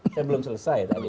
saya belum selesai